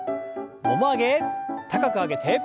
もも上げ高く上げて。